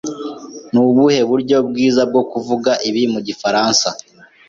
Nubuhe buryo bwiza bwo kuvuga ibi mu gifaransa?